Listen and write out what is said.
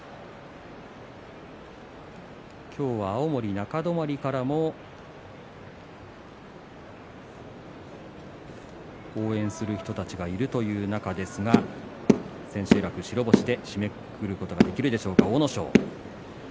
今日は青森・中泊からも応援する人たちがいるという中ですが千秋楽を白星で締めくくることができるでしょうか、阿武咲。